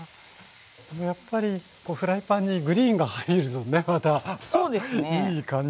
これやっぱりフライパンにグリーンが入るとねまたいい感じですよね。